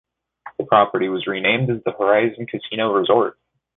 The property was renamed as the Horizon Casino Resort.